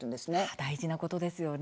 大事なことですよね。